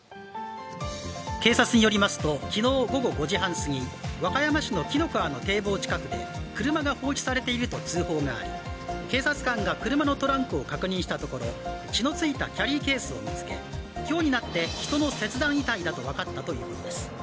警察によりますと昨日午後５時半過ぎ和歌山市の紀ノ川の堤防近くで車が放置されていると通報があり警察官が車のトランクを確認したところ血のついたキャリーケースを見つけ、今日になって人の切断遺体だと分かったということです。